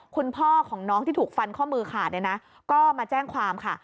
คุณพ่อของน้องที่ถูกฟันข้อมือขาดเนี่ยนะก็มาแจ้งความค่ะ